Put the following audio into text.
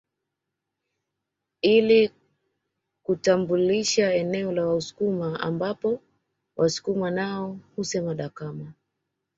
Ili kutambulisha eneo la Wasukuma ambapo Wasukuma nao husema dakama